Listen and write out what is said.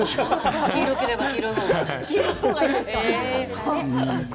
黄色ければ黄色い方が。